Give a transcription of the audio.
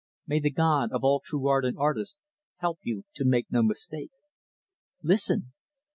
May the God of all true art and artists help you to make no mistake. Listen!"